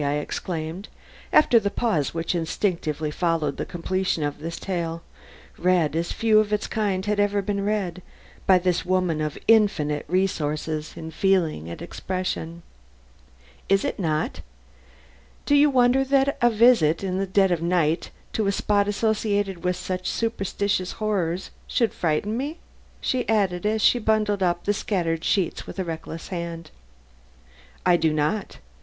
I exclaimed, after the pause which instinctively followed the completion of this tale, read as few of its kind have ever been read, by this woman of infinite resources in feeling and expression. "Is it not? Do you wonder that a visit in the dead of night to a spot associated with such superstitious horrors should frighten me?" she added as she bundled up the scattered sheets with a reckless hand. "I do not.